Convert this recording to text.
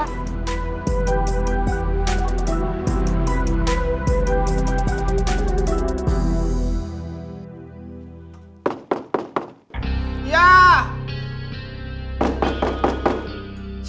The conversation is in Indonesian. partner sama risa